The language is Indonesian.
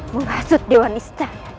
menghasut dewan istana